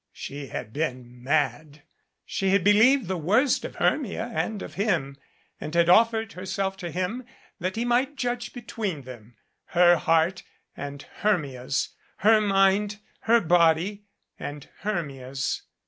She had been mad. She had believed the worst of Hermia and of him, and had offered herself to him that he might judge between them her heart and Hermia's, her mind, her body and Hermia's.